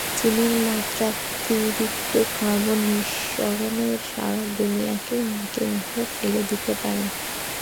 চীনের মাত্রাতিরিক্ত কার্বন নিঃসরণ সারা দুনিয়াকেই হুমকির মুখে ফেলে দিতে পারে।